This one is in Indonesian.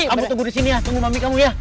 kamu tunggu di sini ya tunggu mami kamu ya